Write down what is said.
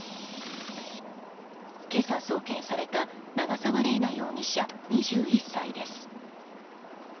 今朝、送検された長沢麗奈容疑者、２１歳です。